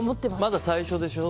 まだ最初でしょ？